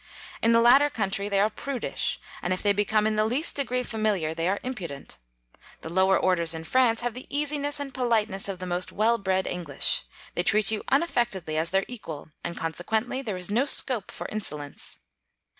In the latter country they are prudish, and if they 'become in the least degree familiar they are impudent. The lower orders in France have the easiness and politeness of the most well bred English ; they treat you unaffectedly as their equal, and conse quently there is no scope for insolence.